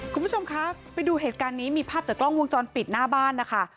คุณผู้ชมคะไปดูเหตุการณ์นี้มีภาพจากกล้องวงจรปิดหน้าบ้านนะคะ